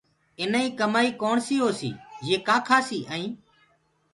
اينآئيٚ ڪمآئيٚ ڪوڻسيٚ هوسيٚ يي ڪآ کآسي ائينٚ